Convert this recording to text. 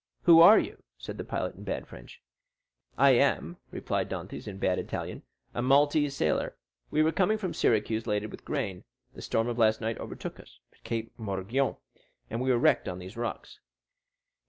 "Who are you?" said the pilot in bad French. "I am," replied Dantès, in bad Italian, "a Maltese sailor. We were coming from Syracuse laden with grain. The storm of last night overtook us at Cape Morgiou, and we were wrecked on these rocks."